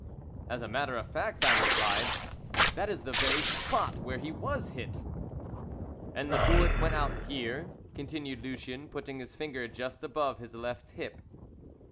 "As a matter of fact," I replied, "that is the very spot where he was hit." "And the bullet went out here," continued Lucien, putting his finger just above his left hip.